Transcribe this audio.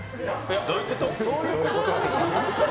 どういうこと？